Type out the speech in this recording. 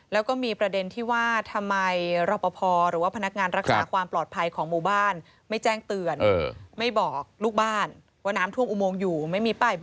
แล้วก็มีประเด็นที่ว่าทำไมรอปภหรือว่าพนักงานรักษาความปลอดภัยของหมู่บ้านไม่แจ้งเตือนไม่บอกลูกบ้านว่าน้ำท่วมอุโมงอยู่ไม่มีป้าย